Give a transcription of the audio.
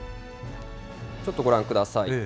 ちょっとご覧ください。